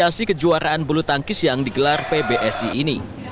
di kejuaraan bulu tangkis yang digelar pbsi ini